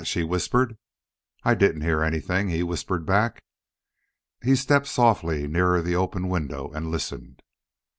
she whispered. "I didn't hear anything," he whispered back. He stepped softly nearer the open window and listened.